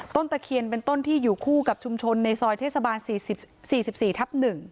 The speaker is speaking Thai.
ตะเคียนเป็นต้นที่อยู่คู่กับชุมชนในซอยเทศบาล๔๔ทับ๑